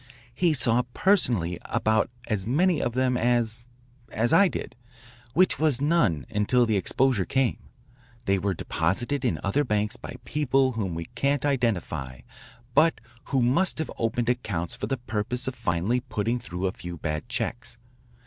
He saw personally about as many of them as as I did, which was none until the exposure came. They were deposited in other banks by people whom we can't identify but who must have opened accounts for the purpose of finally putting through a few bad checks.